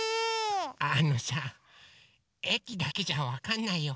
あのさえきだけじゃわかんないよ。